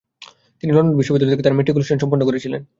তিনি লন্ডন বিশ্ববিদ্যালয় থেকে তার ম্যাট্রিকুলেশন সম্পন্ন করেছিলেন।